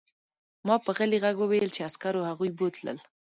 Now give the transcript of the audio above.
ما په غلي غږ وویل چې عسکرو هغوی بوتلل